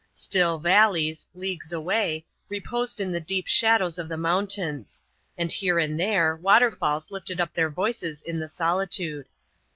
Still valleys, leagues away, reposed in the deep shadows of the mountains; and here and there, waterfalls lifted up their voices in the solitude.